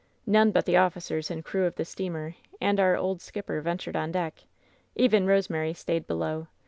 None but the officers and crew of the steamer and our old skipper ventured on deck. 60 WHEN SHADOWS DIE Even Koeemary stayed below.